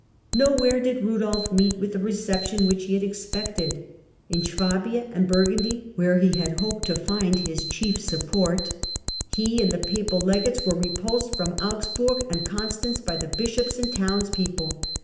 No where did Rudolf meet with the reception which he expected. In Swabia and Burgundy, where he had hoped to find his chief support, he and the papal legates were repulsed from Augsburg and Constance by the bishops and townspeople.